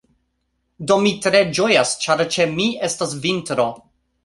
Do, mi tre ĝojas ĉar ĉe mi estas vintro